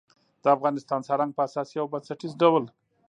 د افغانستان سالنګ په اساسي او بنسټیز ډول